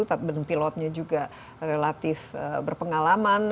dan pilotnya juga relatif berpengalaman